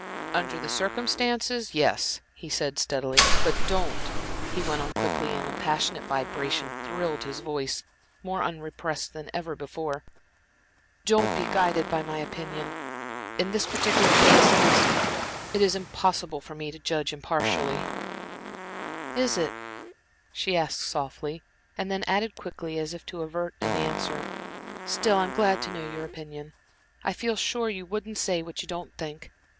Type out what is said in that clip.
"Under the circumstances yes," he said, steadily. "But don't," he went on quickly, and passionate vibration thrilled his voice, more unrepressed than ever before, "don't be guided by my opinion. In this particular case it is impossible for me to judge impartially." "Is it," she asked softly, and then added quickly, as if to avert an answer, "still, I'm glad to know your opinion. I feel sure you wouldn't say what you don't think.